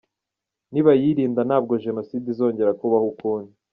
Nibayirinda ntabwo Jenoside izongera kubaho ukundi.